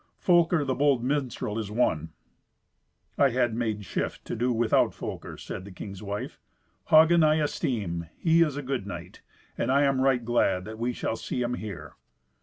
Folker, the bold minstrel, is one." "I had made shift to do without Folker," said the king's wife. "Hagen I esteem; he is a good knight. I am right glad that we shall see him here."